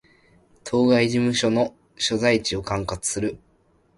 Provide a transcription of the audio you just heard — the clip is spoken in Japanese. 当該事務所の所在地を管轄する